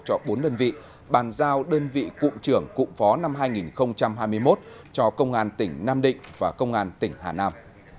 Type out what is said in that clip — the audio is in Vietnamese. cho bốn đơn vị bàn giao đơn vị cụm trưởng cụm phó năm hai nghìn hai mươi một cho công an tỉnh nam định và công an tỉnh hà nam